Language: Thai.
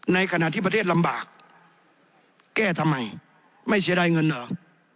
ในขณะที่ประเทศลำบากแก้ทำไมไม่เสียดายเงินเหรอ